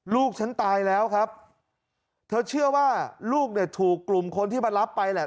ลูกฉันตายแล้วครับเธอเชื่อว่าลูกเนี่ยถูกกลุ่มคนที่มารับไปแหละ